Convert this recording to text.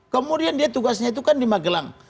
kemudian dia tugasnya itu kan di magelang